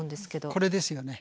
これですよね。